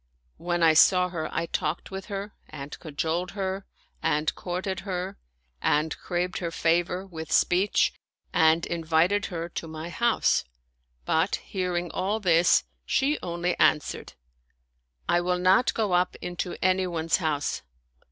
When I saw her, I talked with her and cajoled her and courted her and craved her favor with speech and invited her to my house; but, hearing all this, she only answered, " I will not go up into anyone's house."